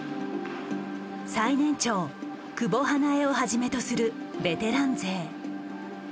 最年長久保英恵をはじめとするベテラン勢。